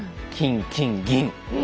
金、金、銀。